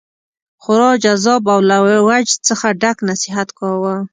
خورا جذاب او له وجد څخه ډک نصیحت کاوه.